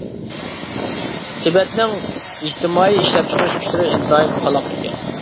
تىبەتنىڭ ئىجتىمائىي ئىشلەپچىقىرىش كۈچلىرى ئىنتايىن قالاق ئىكەن.